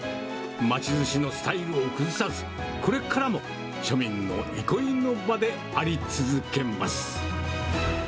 街ずしのスタイルを崩さず、これからも庶民の憩いの場であり続けます。